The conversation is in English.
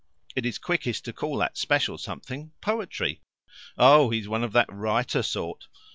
It is quickest to call that special something poetry " "Oh, he's one of that writer sort."